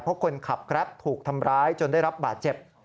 เพราะคนขับแกรปถูกทำร้ายจนได้รับบาดเจ็บ